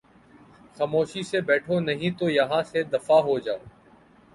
خاموشی سے بیٹھو نہیں تو یہاں سے دفعہ ہو جاؤ